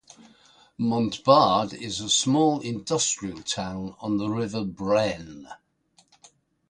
Montbard is a small industrial town on the river Brenne.